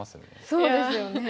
そうですよね。